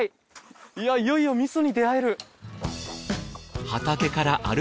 いやいよいよ味噌に出会える。